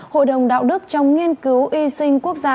hội đồng đạo đức trong nghiên cứu y sinh quốc gia